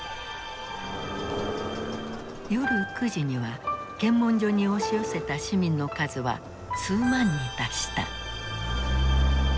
夜９時には検問所に押し寄せた市民の数は数万に達した。